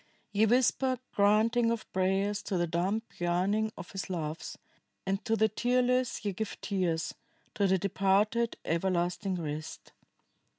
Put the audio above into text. Ye whisper granting of prayers to the dumb yearning of his loves, and to the tearless ye give tears, to the departed everlasting rest.